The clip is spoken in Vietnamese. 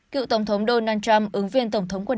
cựu tổng thống donald trump ứng viên tổng thống quốc tế